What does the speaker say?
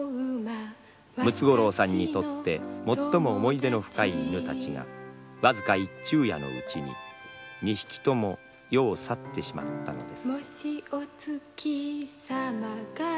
ムツゴロウさんにとって最も思い出の深い犬たちがわずか一昼夜のうちに２匹とも世を去ってしまったのです。